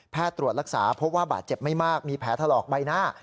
ตรวจรักษาพบว่าบาดเจ็บไม่มากมีแผลถลอกใบหน้า